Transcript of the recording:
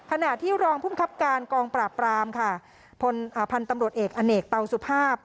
ขณะที่รองภูมิครับการกองปราบปรามค่ะพลอ่าพันธุ์ตำรวจเอกอเนกเตาสุภาพ